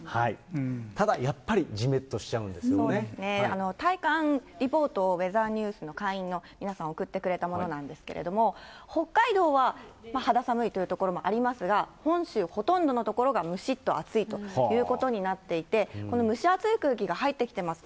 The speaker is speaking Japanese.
ただ、やっぱり、そうですね、体感リポート、ウェザーニューズの会員の皆さん、送ってくれたものなんですけれども、北海道は肌寒いという所もありますが、本州ほとんどの所がむしっと暑いということになっていて、この蒸し暑い空気が入ってきてます。